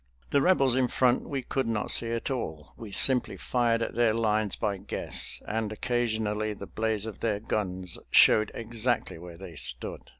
The Rebels in front we could not see at all. We simply fired at their lines by guess, and occasionally the blaze of their guns showed exactly where they stood.